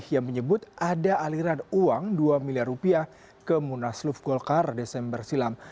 yang menyebut ada aliran uang dua miliar rupiah ke munasluf golkar desember silam